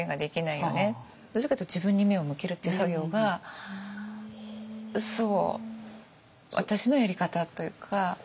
どちらかというと自分に目を向けるっていう作業が私のやり方というか。